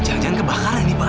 jangan jangan kebakaran ini pak